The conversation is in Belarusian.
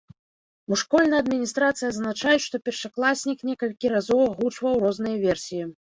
У школьнай адміністрацыі адзначаюць, што першакласнік некалькі разоў агучваў розныя версіі.